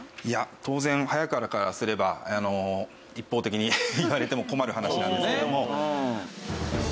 いや当然早川からすれば一方的に言われても困る話なんですけども。